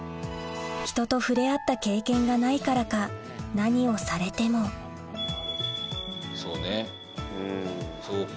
人と触れ合った経験がないからか何をされてもそうねそうか。